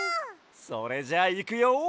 それじゃあいくよ！